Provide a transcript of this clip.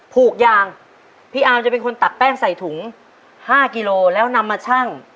ผูกยางพี่อาร์มจะเป็นคนตักแป้งใส่ถุงห้ากิโลแล้วนำมาชั่ง